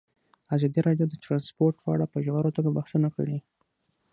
ازادي راډیو د ترانسپورټ په اړه په ژوره توګه بحثونه کړي.